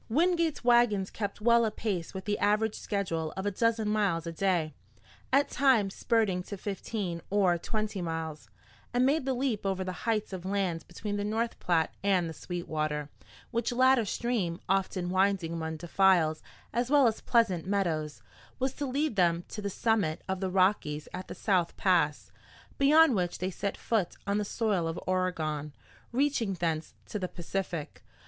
Wingate's wagons kept well apace with the average schedule of a dozen miles a day, at times spurting to fifteen or twenty miles, and made the leap over the heights of land between the North Platte and the Sweetwater, which latter stream, often winding among defiles as well as pleasant meadows, was to lead them to the summit of the Rockies at the South Pass, beyond which they set foot on the soil of Oregon, reaching thence to the Pacific.